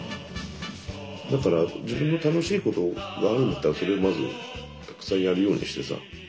だから自分の楽しいことがあるんだったらそれをまずたくさんやるようにしてさ。